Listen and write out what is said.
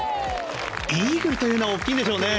イーグルというのは大きいんでしょうね。